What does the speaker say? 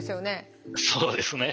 そうですね。